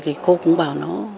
thì cô cũng bảo nó